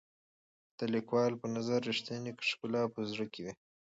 د لیکوال په نظر رښتیانۍ ښکلا په زړه کې وي.